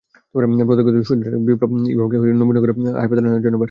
প্রত্যক্ষদর্শীদের সূত্রে জানা গেছে, বিপ্লব ইভাকে নবীনগরে হাসপাতালে নেওয়ার জন্য বের হন।